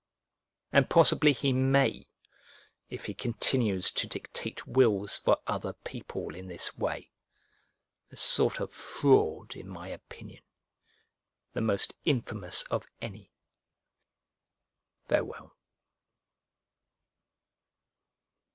And possibly he may, if he continues to dictate wills for other people in this way: a sort of fraud, in my opinion, the most infamous of any. Farewell.